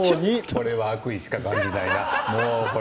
これは悪意しか感じないな。